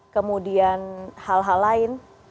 kemudian hal hal lain